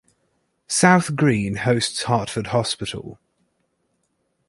South Green hosts Hartford Hospital.